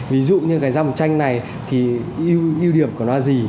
ví dụ như cái dòng tranh này thì ưu điểm của nó là gì